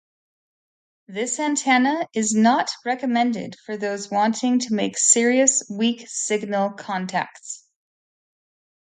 This antenna is not recommended for those wanting to make serious weak signal contacts.